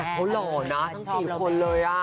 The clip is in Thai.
แต่เขาหล่อนะทั้งสี่คนเลยอะ